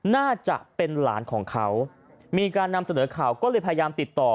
น่าจะเป็นหลานของเขามีการนำเสนอข่าวก็เลยพยายามติดต่อ